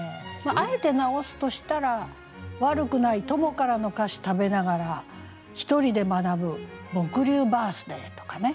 あえて直すとしたら「『わるくない』友からの菓子食べながら一人で学ぶ僕流バースデイ」とかね。